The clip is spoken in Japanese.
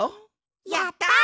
やった！